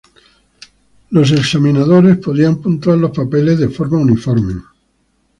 Los examinadores podían puntuar los papeles de forma uniforme.